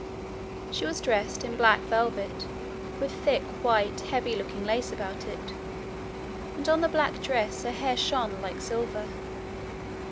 She was dressed in black velvet with thick white heavy looking lace about it; and on the black dress her hair shone like silver.